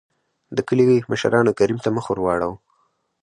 دکلي مشرانو کريم ته مخ ور ور واړو .